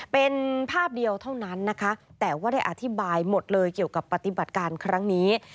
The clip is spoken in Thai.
เป็นภาพเดียวเท่านั้นนะคะแต่ว่าได้อธิบายหมดเลยเกี่ยวกับปฏิบัติการครั้งนี้